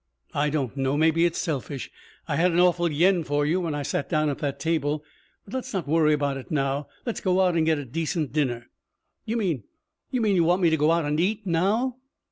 "I don't know. Maybe it's selfish. I had an awful yen for you when I sat down at that table. But let's not worry about it now. Let's go out and get a decent dinner." "You mean you mean you want me to go out and eat now?"